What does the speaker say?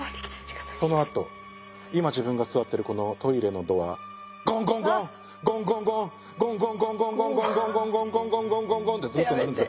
そのあと今自分が座ってるこのトイレのドアゴンゴンゴンゴンゴンゴンゴンゴンゴンゴンゴンゴンゴンゴンゴンゴンゴンゴンってずっと鳴るんですよ。